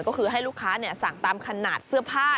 ก็คือให้ลูกค้าสั่งตามขนาดเสื้อผ้า